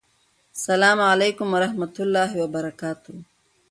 سلام علیکم ورحمته الله وبرکاته